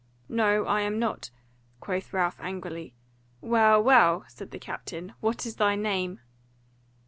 "No I am not," quoth Ralph angrily. "Well, well," said the captain, "what is thy name?"